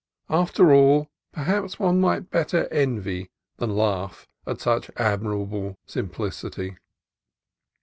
After all, perhaps one might better envy than laugh at such admirable simplicity.